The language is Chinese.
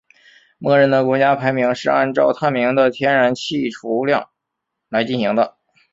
默认的国家排名是按照探明的天然气储量来进行的。